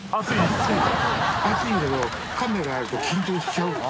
カメラあると緊張しちゃう。